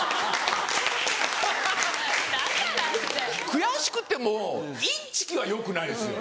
悔しくても「インチキ」はよくないですよ。